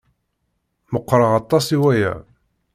Meqqṛeɣ aṭas i waya.